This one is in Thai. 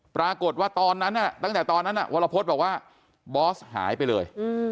ตอนนั้นตั้งแต่ตอนนั้นวรพฤษบอกว่าบอสหายไปเลย